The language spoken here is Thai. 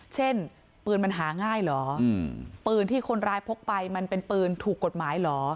เช่นปืนมันหาง่ายเหรอปืนที่คนร้ายพกไปมันเป็นปืนถูกกฎหมายเหรอ